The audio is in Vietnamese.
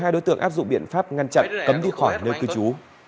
một mươi hai đối tượng áp dụng biện pháp ngăn chặn cấm đi khỏi nơi cư trú